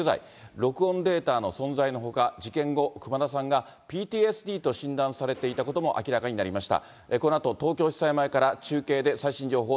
録音データの存在のほか、事件後、熊田さんがＰＴＳＤと診断されていたことも明らかになりました。